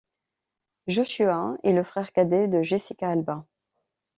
Joshua est le frère cadet de Jessica Alba.